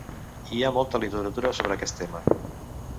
Hi ha molta literatura sobre aquest tema.